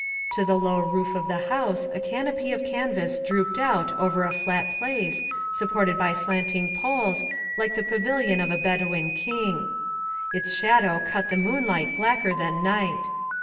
To the low roof of the house a canopy of canvas drooped out over a flat place, supported by slanting poles, like the pavilion of a Bedouin king. Its shad ow cut the moonlight blacker than night.